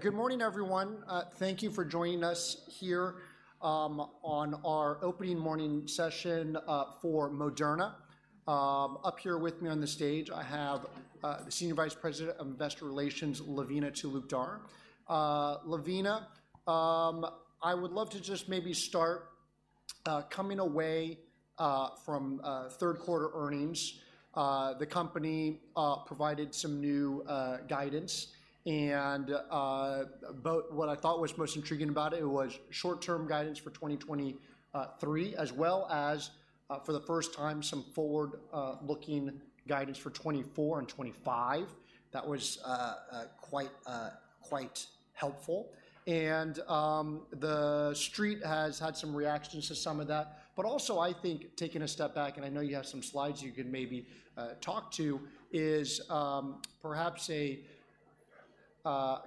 Good morning, everyone. Thank you for joining us here on our opening morning session for Moderna. Up here with me on the stage, I have the Senior Vice President of Investor Relations, Lavina Talukdar. Lavina, I would love to just maybe start coming away from third quarter earnings. The company provided some new guidance, and but what I thought was most intriguing about it was short-term guidance for 2023 as well as for the first time, some forward-looking guidance for 2024 and 2025. That was quite helpful. And, the Street has had some reactions to some of that, but also I think taking a step back, and I know you have some slides you can maybe, talk to, is, perhaps a,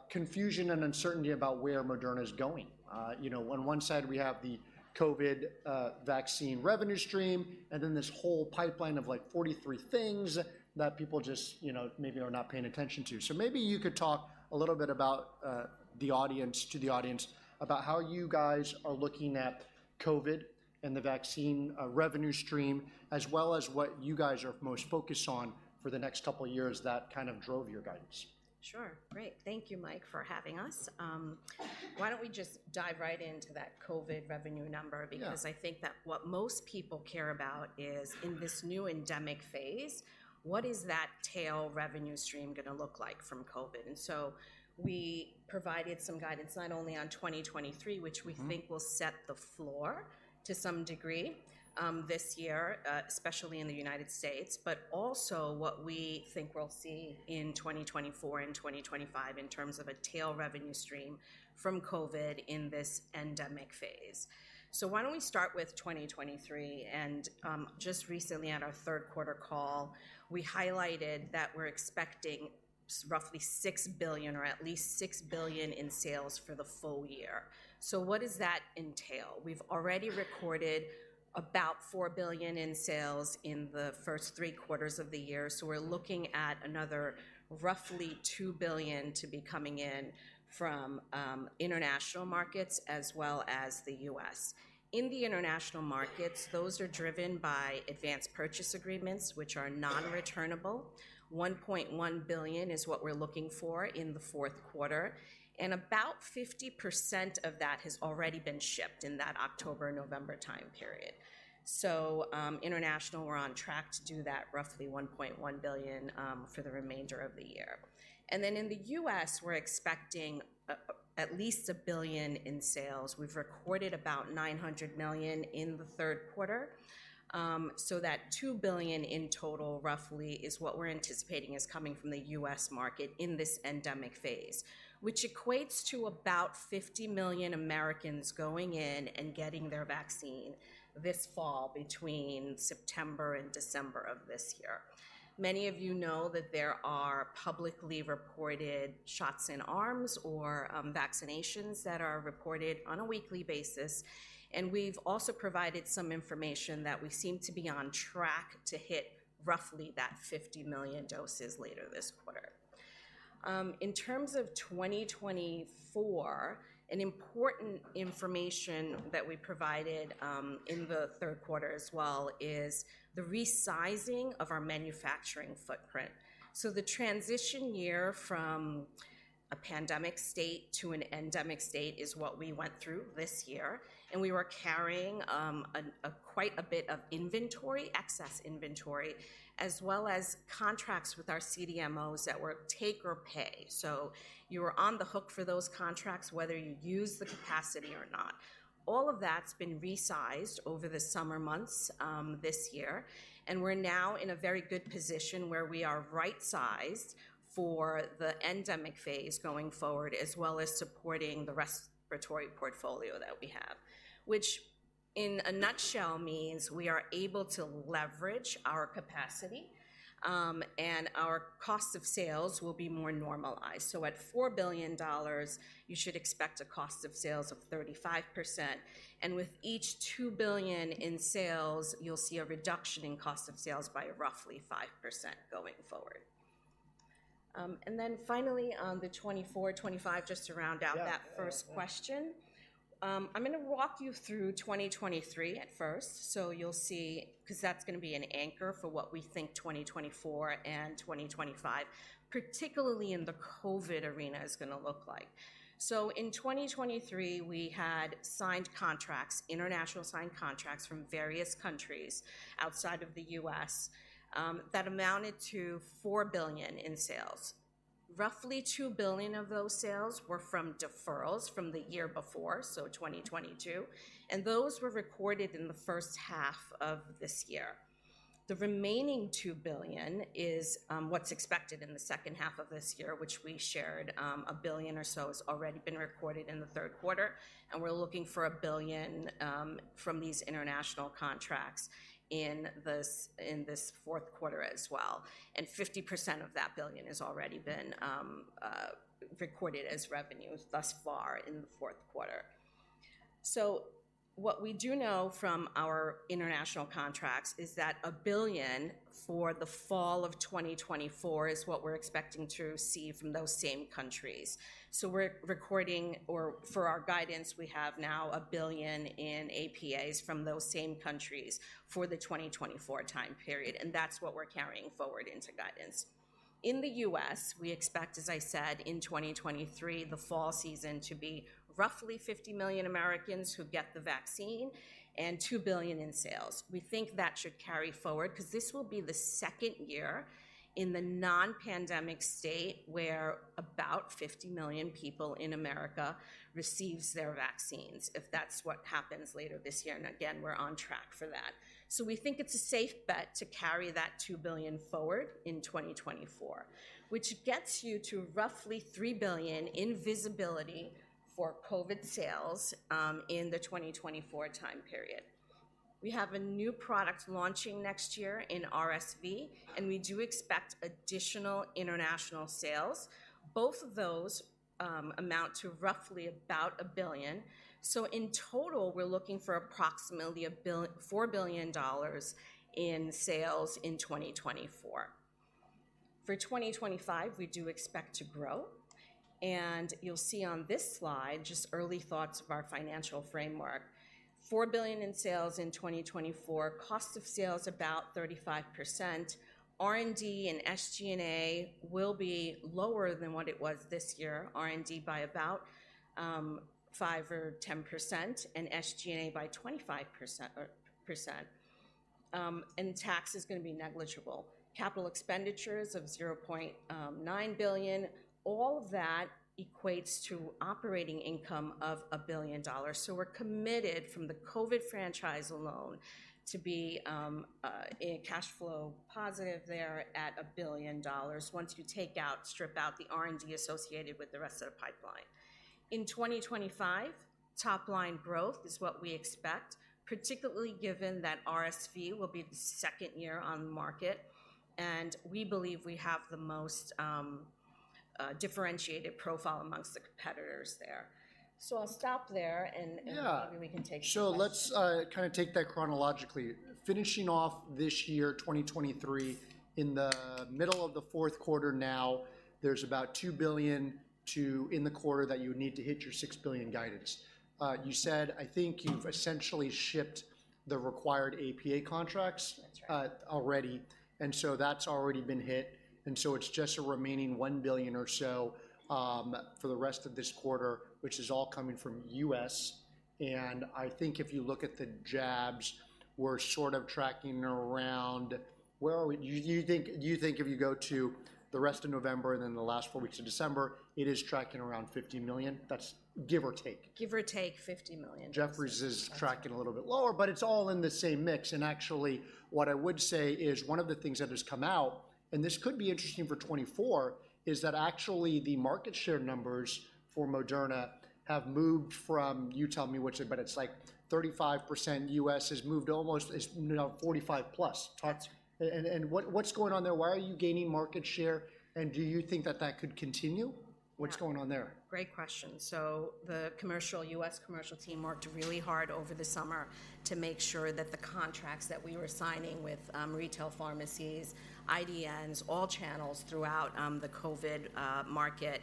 confusion and uncertainty about where Moderna is going. You know, on one side we have the COVID, vaccine revenue stream, and then this whole pipeline of, like, 43 things that people just, you know, maybe are not paying attention to. So maybe you could talk a little bit about, the audience-- to the audience about how you guys are looking at COVID and the vaccine, revenue stream, as well as what you guys are most focused on for the next couple of years that kind of drove your guidance. Sure. Great. Thank you, Mike, for having us. Why don't we just dive right into that COVID revenue number- Yeah. Because I think that what most people care about is, in this new endemic phase, what is that tail revenue stream gonna look like from COVID? So we provided some guidance not only on 2023- Mm-hmm. which we think will set the floor to some degree, this year, especially in the United States, but also what we think we'll see in 2024 and 2025 in terms of a tail revenue stream from COVID in this endemic phase. So why don't we start with 2023, and just recently at our third quarter call, we highlighted that we're expecting roughly $6 billion or at least $6 billion in sales for the full year. So what does that entail? We've already recorded about $4 billion in sales in the first three quarters of the year, so we're looking at another roughly $2 billion to be coming in from international markets as well as the US. In the international markets, those are driven by advance purchase agreements, which are non-returnable. $1.1 billion is what we're looking for in the fourth quarter, and about 50% of that has already been shipped in that October, November time period. So, international, we're on track to do that roughly $1.1 billion for the remainder of the year. And then in the U.S., we're expecting at least $1 billion in sales. We've recorded about $900 million in the third quarter. So that $2 billion in total roughly is what we're anticipating is coming from the U.S. market in this endemic phase, which equates to about 50 million Americans going in and getting their vaccine this fall between September and December of this year. Many of you know that there are publicly reported shots in arms or vaccinations that are reported on a weekly basis, and we've also provided some information that we seem to be on track to hit roughly that 50 million doses later this quarter. In terms of 2024, an important information that we provided in the third quarter as well is the resizing of our manufacturing footprint. So the transition year from a pandemic state to an endemic state is what we went through this year, and we were carrying a quite a bit of inventory, excess inventory, as well as contracts with our CDMOs that were take or pay. So you were on the hook for those contracts, whether you use the capacity or not. All of that's been resized over the summer months, this year, and we're now in a very good position where we are right-sized for the endemic phase going forward, as well as supporting the respiratory portfolio that we have. Which in a nutshell means we are able to leverage our capacity, and our cost of sales will be more normalized. So at $4 billion, you should expect a cost of sales of 35%, and with each $2 billion in sales, you'll see a reduction in cost of sales by roughly 5% going forward. And then finally on the 2024, 2025, just to round out- Yeah... that first question. I'm gonna walk you through 2023 at first, so you'll see, 'cause that's gonna be an anchor for what we think 2024 and 2025, particularly in the COVID arena, is gonna look like. So in 2023, we had signed contracts, international signed contracts from various countries outside of the U.S., that amounted to $4 billion in sales. Roughly $2 billion of those sales were from deferrals from the year before, so 2022, and those were recorded in the first half of this year. The remaining $2 billion is what's expected in the second half of this year, which we shared. A billion or so has already been recorded in the third quarter, and we're looking for a billion from these international contracts in this fourth quarter as well, and 50% of that billion has already been recorded as revenue thus far in the fourth quarter. So what we do know from our international contracts is that $1 billion for the fall of 2024 is what we're expecting to receive from those same countries. So we're recording, or for our guidance, we have now $1 billion in APAs from those same countries for the 2024 time period, and that's what we're carrying forward into guidance. In the US, we expect, as I said, in 2023, the fall season to be roughly 50 million Americans who get the vaccine and $2 billion in sales. We think that should carry forward, 'cause this will be the second year in the non-pandemic state where about 50 million people in America receives their vaccines, if that's what happens later this year, and again, we're on track for that. So we think it's a safe bet to carry that $2 billion forward in 2024, which gets you to roughly $3 billion in visibility for COVID sales in the 2024 time period. We have a new product launching next year in RSV, and we do expect additional international sales. Both of those amount to roughly about $1 billion. So in total, we're looking for approximately $1 billion-$4 billion in sales in 2024. For 2025, we do expect to grow, and you'll see on this slide just early thoughts of our financial framework. $4 billion in sales in 2024, cost of sales about 35%. R&D and SG&A will be lower than what it was this year, R&D by about 5%-10% and SG&A by 25%, and tax is gonna be negligible. Capital expenditures of $0.9 billion. All that equates to operating income of $1 billion. So we're committed from the COVID franchise alone to be in cash flow positive there at $1 billion once you take out, strip out the R&D associated with the rest of the pipeline. In 2025, top-line growth is what we expect, particularly given that RSV will be the second year on the market, and we believe we have the most differentiated profile amongst the competitors there. So I'll stop there, and- Yeah. Maybe we can take some questions. Sure. Let's kind of take that chronologically. Finishing off this year, 2023, in the middle of the fourth quarter now, there's about $2 billion to... in the quarter that you would need to hit your $6 billion guidance. You said, I think you've essentially shipped the required APA contracts- That's right... already, and so that's already been hit, and so it's just a remaining $1 billion or so, for the rest of this quarter, which is all coming from U.S. And I think if you look at the jabs, we're sort of tracking around-- Where are we? Do you, do you think, do you think if you go to the rest of November and then the last 4 weeks of December, it is tracking around 50 million? That's give or take. Give or take $50 million, yes. Jefferies is tracking a little bit lower, but it's all in the same mix, and actually, what I would say is one of the things that has come out, and this could be interesting for 2024, is that actually the market share numbers for Moderna have moved from... You tell me which, but it's like 35% U.S. has moved almost, it's now 45+. That's- What's going on there? Why are you gaining market share, and do you think that that could continue? What's going on there? Great question. So the commercial, U.S. commercial team worked really hard over the summer to make sure that the contracts that we were signing with, retail pharmacies, IDNs, all channels throughout, the COVID, market.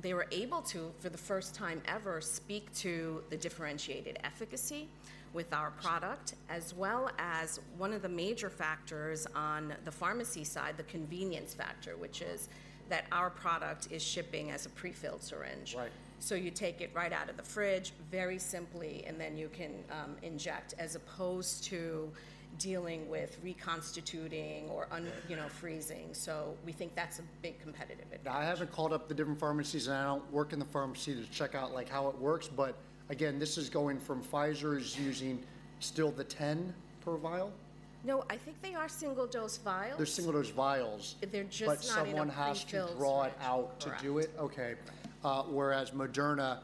They were able to, for the first time ever, speak to the differentiated efficacy with our product, as well as one of the major factors on the pharmacy side, the convenience factor, which is that our product is shipping as a pre-filled syringe. Right. You take it right out of the fridge, very simply, and then you can inject, as opposed to dealing with reconstituting or un- Yeah... you know, freezing. So we think that's a big competitive advantage. Now, I haven't called up the different pharmacies, and I don't work in the pharmacy to check out, like, how it works, but again, this is going from Pfizer's using still the 10 per vial? No, I think they are single-dose vials. They're single-dose vials. They're just not in a pre-filled syringe. But someone has to draw it out- Correct... to do it? Okay. Whereas Moderna,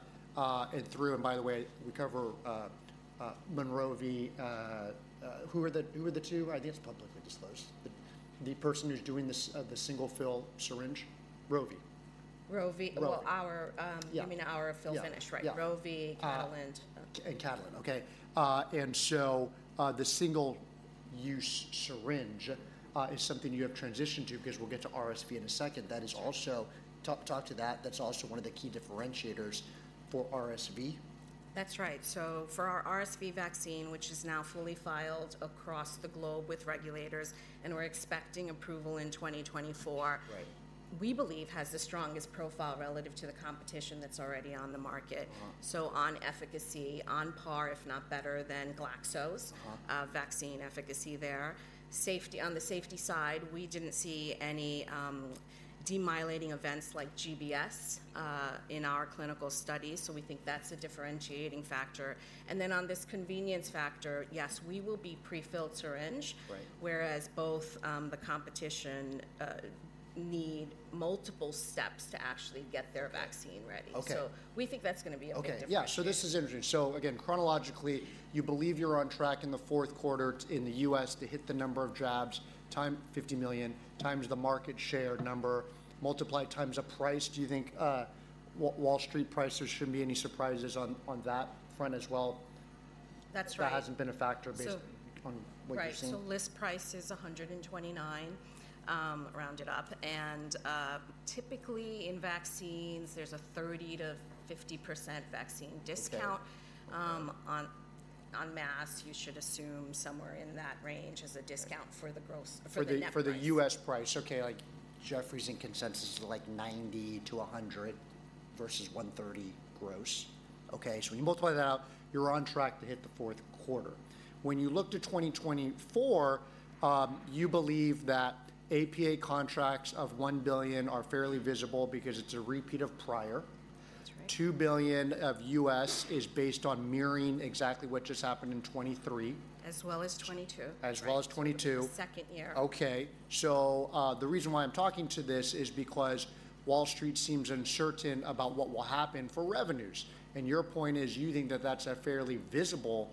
it threw-- And by the way, we cover Moderna, who are the, who are the two? I think it's publicly disclosed. The person who's doing this, the single-fill syringe? Rovi. Rovi. Rovi. Well, our Yeah... you mean our fill-finish? Yeah. Yeah. Right. Rovi- Uh... Catalent. And Catalent, okay. And so, the single-use syringe is something you have transitioned to, because we'll get to RSV in a second. That is also... Talk, talk to that. That's also one of the key differentiators for RSV? That's right. So for our RSV vaccine, which is now fully filed across the globe with regulators, and we're expecting approval in 2024- Right ... we believe has the strongest profile relative to the competition that's already on the market. Uh-huh. On efficacy, on par, if not better than Glaxo's- Uh-huh... vaccine efficacy there. Safety, on the safety side, we didn't see any demyelinating events like GBS in our clinical studies, so we think that's a differentiating factor. And then on this convenience factor, yes, we will be pre-filled syringe- Right... whereas both the competition need multiple steps to actually get their vaccine ready. Okay. So we think that's gonna be a big differentiator. Okay, yeah. So this is interesting. So again, chronologically, you believe you're on track in the fourth quarter in the U.S. to hit the number of jabs, times 50 million, times the market share number, multiplied times the price. Do you think, Wall Street prices shouldn't be any surprises on, on that front as well?... that's right. That hasn't been a factor based- So- On what you've seen? Right, so list price is $129, rounded up. And, typically in vaccines, there's a 30%-50% vaccine discount- Okay... on mass, you should assume somewhere in that range as a discount- Okay for the gross, for the net price. For the US price, okay, like Jefferies and consensus is like $90-$100 versus $130 gross. Okay, so when you multiply that out, you're on track to hit the fourth quarter. When you look to 2024, you believe that APA contracts of $1 billion are fairly visible because it's a repeat of prior. That's right. $2 billion of U.S. is based on mirroring exactly what just happened in 2023. As well as 2022. As well as 2022. Second year. Okay. So, the reason why I'm talking to this is because Wall Street seems uncertain about what will happen for revenues, and your point is you think that that's a fairly visible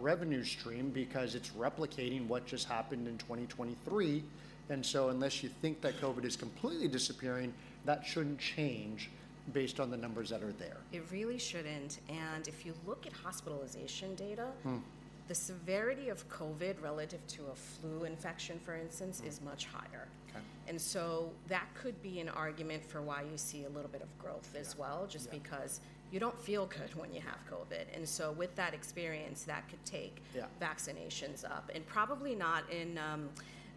revenue stream because it's replicating what just happened in 2023. And so unless you think that COVID is completely disappearing, that shouldn't change based on the numbers that are there. It really shouldn't. If you look at hospitalization data- Mm... the severity of COVID relative to a flu infection, for instance- Mm... is much higher. Okay. And so that could be an argument for why you see a little bit of growth as well- Yeah, yeah... just because you don't feel good when you have COVID, and so with that experience, that could take- Yeah... vaccinations up, and probably not in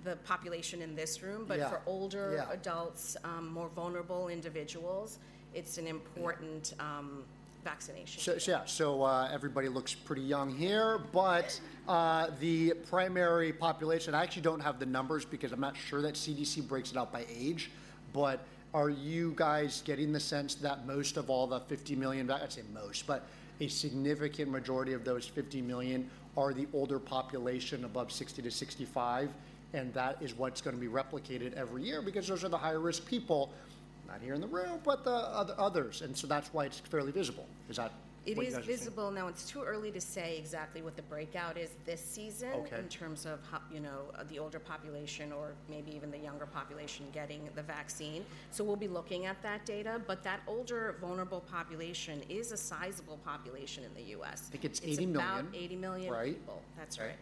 the population in this room- Yeah... but for older- Yeah... adults, more vulnerable individuals, it's an important- Yeah... vaccination. So, yeah, so, everybody looks pretty young here, but the primary population—I actually don't have the numbers because I'm not sure that CDC breaks it out by age, but are you guys getting the sense that most of all, the 50 million—I'd say most, but a significant majority of those 50 million are the older population above 60 to 65, and that is what's gonna be replicated every year because those are the higher risk people, not here in the room, but the other others, and so that's why it's fairly visible. Is that what you guys are seeing? It is visible. Now, it's too early to say exactly what the outbreak is this season- Okay... in terms of you know, the older population or maybe even the younger population getting the vaccine, so we'll be looking at that data. But that older, vulnerable population is a sizable population in the U.S. I think it's $80 million. It's about 80 million people. Right. That's right.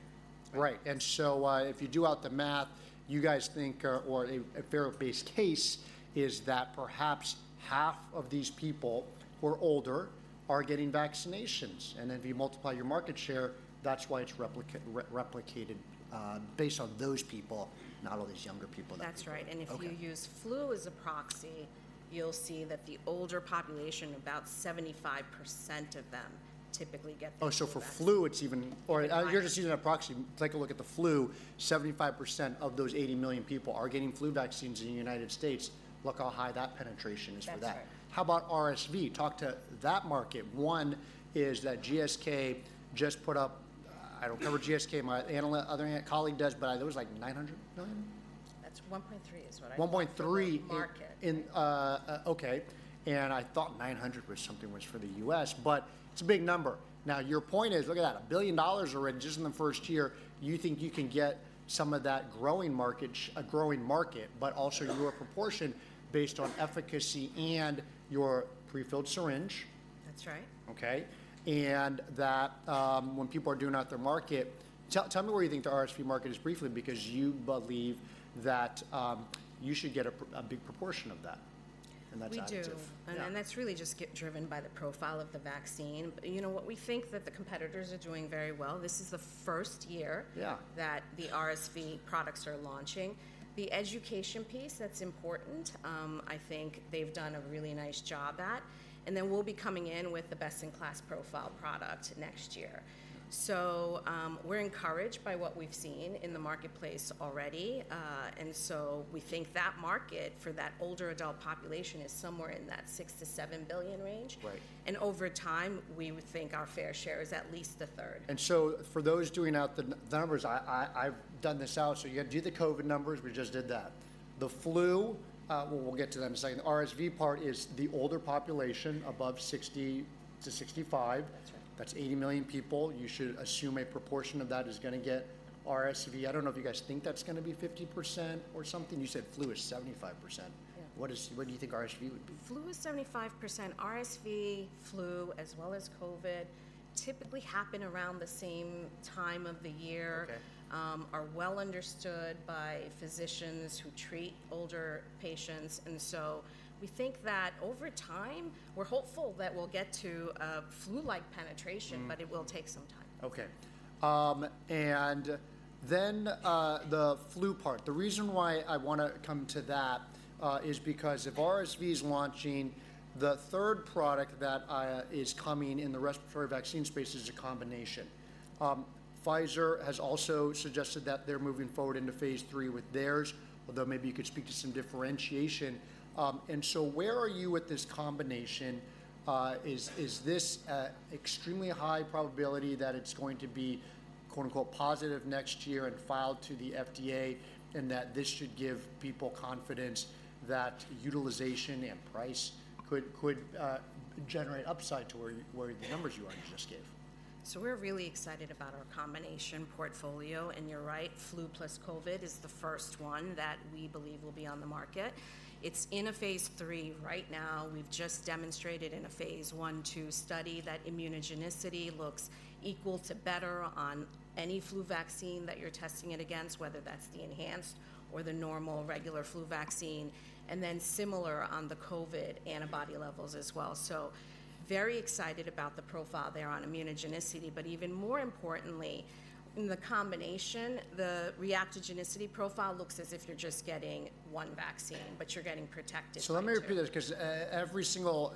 Right, and so, if you do out the math, you guys think a fair base case is that perhaps half of these people who are older are getting vaccinations, and then if you multiply your market share, that's why it's replicated, based on those people, not all these younger people that we know. That's right. Okay. If you use flu as a proxy, you'll see that the older population, about 75% of them, typically get the flu vaccine. Oh, so for flu, it's even- Right... or, you're just using a proxy. Take a look at the flu. 75% of those 80 million people are getting flu vaccines in the United States. Look how high that penetration is for that. That's right. How about RSV? Talk to that market. One is that GSK just put up... I don't cover GSK. My other colleague does, but I think it was, like, $900 million? That's 1.3 is what I- 1.3- Market... in, okay, and I thought 900 or something was for the US, but it's a big number. Now, your point is, look at that, $1 billion already just in the first year. You think you can get some of that growing market - a growing market, but also your proportion based on efficacy and your prefilled syringe. That's right. Okay, and that, when people are doing out their market... Tell me where you think the RSV market is briefly, because you believe that, you should get a big proportion of that, and that's additive. We do. Yeah. And that's really just driven by the profile of the vaccine. But you know what? We think that the competitors are doing very well. This is the first year- Yeah... that the RSV products are launching. The education piece, that's important. I think they've done a really nice job at, and then we'll be coming in with the best-in-class profile product next year. So, we're encouraged by what we've seen in the marketplace already. And so we think that market for that older adult population is somewhere in that $6 billion-$7 billion range. Right. Over time, we would think our fair share is at least a third. So for those doing out the numbers, I've done this out. So you gotta do the COVID numbers. We just did that. The flu, well, we'll get to that in a second. The RSV part is the older population, above 60 to 65. That's right. That's 80 million people. You should assume a proportion of that is gonna get RSV. I don't know if you guys think that's gonna be 50% or something. You said flu is 75%. Yeah. What do you think RSV would be? Flu is 75%. RSV, flu, as well as COVID typically happen around the same time of the year- Okay... are well understood by physicians who treat older patients, and so we think that over time, we're hopeful that we'll get to a flu-like penetration- Mm... but it will take some time. Okay, and then, the flu part, the reason why I wanna come to that, is because if RSV is launching, the third product that is coming in the respiratory vaccine space is a combination. Pfizer has also suggested that they're moving forward into phase 3 with theirs, although maybe you could speak to some differentiation. And so where are you with this combination? Is this a extremely high probability that it's going to be, quote, unquote, "positive" next year and filed to the FDA, and that this should give people confidence that utilization and price could generate upside to where the numbers you already just gave?... So we're really excited about our combination portfolio, and you're right, flu plus COVID is the first one that we believe will be on the market. It's in a phase III right now. We've just demonstrated in a phase I/II study that immunogenicity looks equal to better on any flu vaccine that you're testing it against, whether that's the enhanced or the normal, regular flu vaccine, and then similar on the COVID antibody levels as well. So very excited about the profile there on immunogenicity, but even more importantly, in the combination, the reactogenicity profile looks as if you're just getting one vaccine, but you're getting protected from two. So let me repeat this, 'cause every single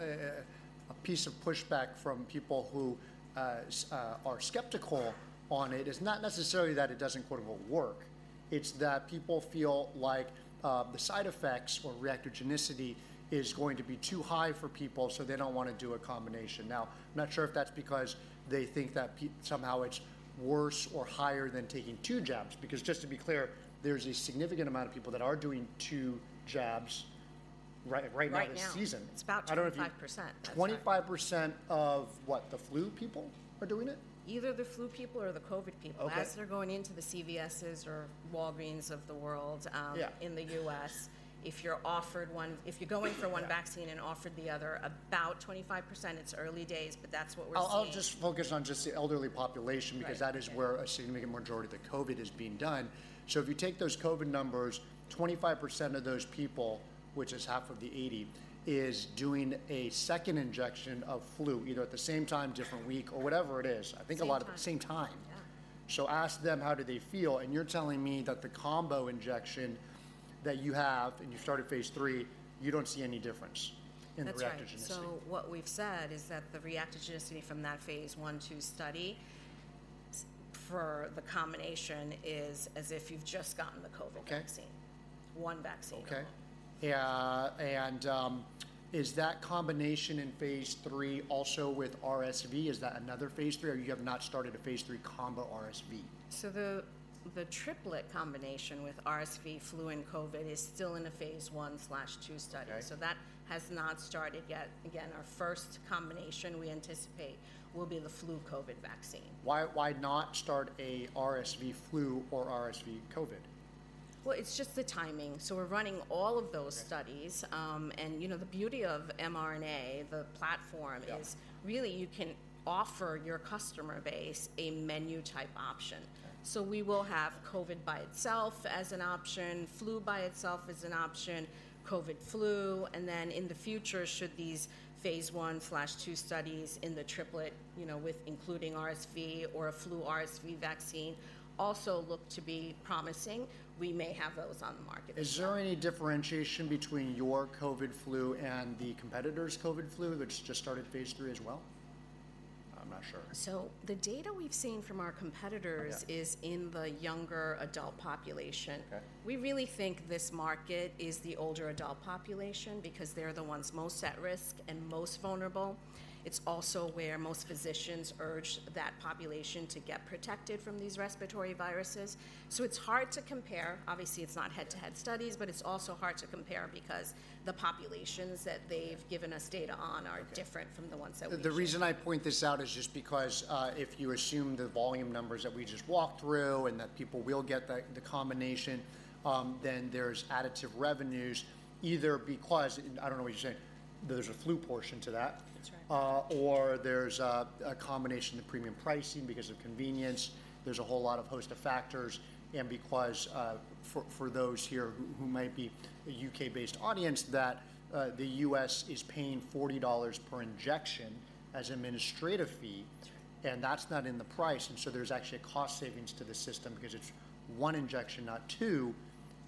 piece of pushback from people who are skeptical on it is not necessarily that it doesn't, quote-unquote, "work." It's that people feel like the side effects or reactogenicity is going to be too high for people, so they don't wanna do a combination. Now, I'm not sure if that's because they think that somehow it's worse or higher than taking two jabs, because just to be clear, there's a significant amount of people that are doing two jabs right now this season. Right now. It's about 25%. I don't know if you... 25% of what, the flu people are doing it? Either the flu people or the COVID people. Okay. As they're going into the CVSs or Walgreens of the world, Yeah... in the U.S., if you're offered one - if you go in for one vaccine- Yeah... and offered the other, about 25%. It's early days, but that's what we're seeing. I'll just focus on just the elderly population- Right... because that is where a significant majority of the COVID is being done. So if you take those COVID numbers, 25% of those people, which is half of the 80, is doing a second injection of flu, you know, at the same time, different week, or whatever it is. I think a lot- Same time... same time. Yeah. So ask them, how do they feel? And you're telling me that the combo injection that you have, and you've started phase III, you don't see any difference in the reactogenicity? That's right. So what we've said is that the reactogenicity from that phase I/II study for the combination is as if you've just gotten the COVID vaccine. Okay. One vaccine. Okay. Yeah, and, is that combination in phase III also with RSV? Is that another phase III, or you have not started a phase III combo RSV? So the triplet combination with RSV, flu, and COVID is still in a phase I/II study. Okay. That has not started yet. Again, our first combination, we anticipate, will be the Flu/COVID vaccine. Why, why not start a RSV/flu or RSV/COVID? Well, it's just the timing. So we're running all of those studies. Okay. you know, the beauty of mRNA, the platform- Yeah... is really you can offer your customer base a menu-type option. Okay. We will have COVID by itself as an option, flu by itself as an option, COVID/flu, and then in the future, should these phase I/II studies in the triplet, you know, with including RSV or a flu/RSV vaccine, also look to be promising, we may have those on the market as well. Is there any differentiation between your COVID/flu and the competitor's COVID/flu, which just started Phase III as well? I'm not sure. The data we've seen from our competitors- Yeah... is in the younger adult population. Okay. We really think this market is the older adult population because they're the ones most at risk and most vulnerable. It's also where most physicians urge that population to get protected from these respiratory viruses, so it's hard to compare. Obviously, it's not head-to-head studies. Yeah... but it's also hard to compare because the populations that they've given us data on- Okay... are different from the ones that we see. The reason I point this out is just because, if you assume the volume numbers that we just walked through and that people will get the combination, then there's additive revenues, either because, and I don't know what you're saying, there's a flu portion to that... That's right... or there's a combination of premium pricing because of convenience. There's a whole host of factors, and because for those here who might be a UK-based audience, that the U.S. is paying $40 per injection as a administrative fee, and that's not in the price. And so there's actually a cost savings to the system because it's one injection, not two,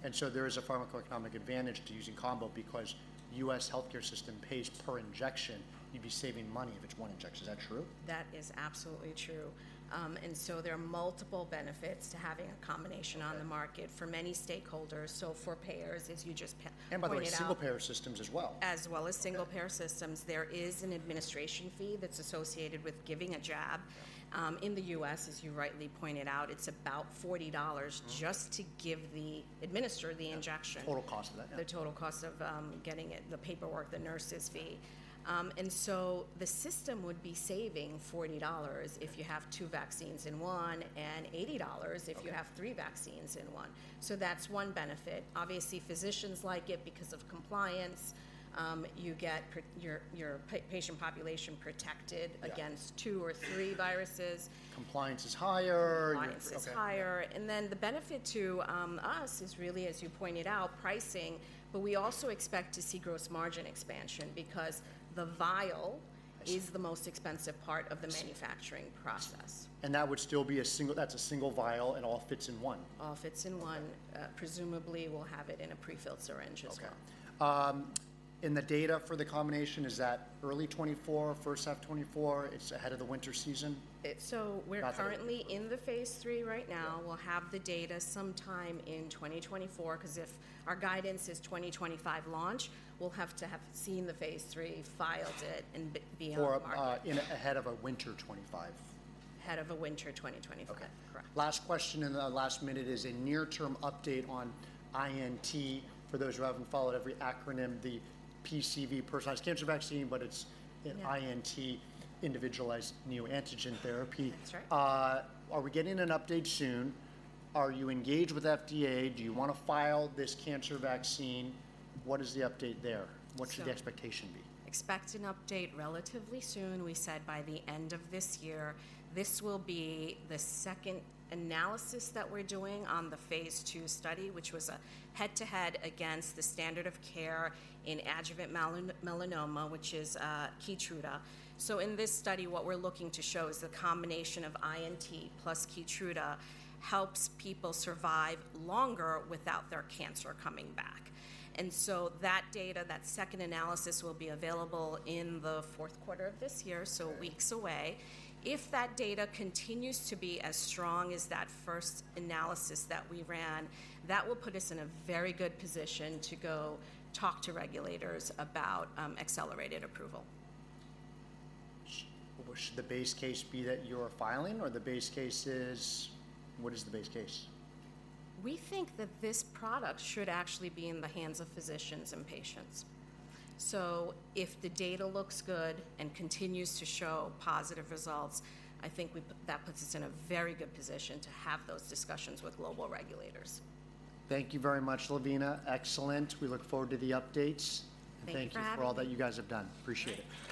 and so there is a pharmacoeconomic advantage to using combo because U.S. healthcare system pays per injection. You'd be saving money if it's one injection. Is that true? That is absolutely true. And so there are multiple benefits to having a combination- Okay... on the market for many stakeholders, so for payers, as you just pointed out. By the way, single-payer systems as well. As well as single-payer systems. Yeah. There is an administration fee that's associated with giving a jab. Yeah. In the US, as you rightly pointed out, it's about $40- Mm-hmm... just to give the, administer the injection. Yeah, total cost of that, yeah. The total cost of getting it, the paperwork, the nurse's fee. And so the system would be saving $40- Okay... if you have two vaccines in one, and $80- Okay... if you have three vaccines in one. So that's one benefit. Obviously, physicians like it because of compliance. You get your patient population protected- Yeah... against two or three viruses. Compliance is higher. Compliance is higher. Okay, yeah. And then the benefit to us is really, as you pointed out, pricing, but we also expect to see gross margin expansion because the vial- Yes... is the most expensive part of the manufacturing process. That would still be a single... That's a single vial, and all fits in one? All fits in one. Okay. Presumably, we'll have it in a pre-filled syringe as well. Okay. The data for the combination, is that early 2024, first half 2024? It's ahead of the winter season? So we're- About there... currently in the phase III right now. Yeah. We'll have the data sometime in 2024, 'cause if our guidance is 2025 launch, we'll have to have seen the Phase III, filed it, and be on the market. For, in ahead of a winter 2025. Ahead of a winter 2025. Okay. Correct. Last question in the last minute is a near-term update on INT. For those who haven't followed every acronym, the PCV, personalized cancer vaccine, but it's- Yeah... INT, Individualized Neoantigen Therapy. That's right. Are we getting an update soon? Are you engaged with FDA? Do you wanna file this cancer vaccine? What is the update there? So- What should the expectation be? Expect an update relatively soon. We said by the end of this year. This will be the second analysis that we're doing on the phase II study, which was a head-to-head against the standard of care in adjuvant melanoma, which is Keytruda. So in this study, what we're looking to show is the combination of INT plus Keytruda helps people survive longer without their cancer coming back. And so that data, that second analysis, will be available in the fourth quarter of this year, so weeks away. Okay. If that data continues to be as strong as that first analysis that we ran, that will put us in a very good position to go talk to regulators about accelerated approval. Should the base case be that you're filing, or the base case is... What is the base case? We think that this product should actually be in the hands of physicians and patients. So if the data looks good and continues to show positive results, I think that puts us in a very good position to have those discussions with global regulators. Thank you very much, Lavina. Excellent. We look forward to the updates. Thank you for having me. Thank you for all that you guys have done. Appreciate it.